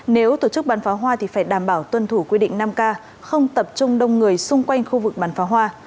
nếu tổ chức bắn phá hoa thì phải đảm bảo tuân thủ quy định năm k không tập trung đông người xung quanh khu vực bắn phá hoa